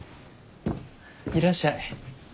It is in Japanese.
いらっしゃい。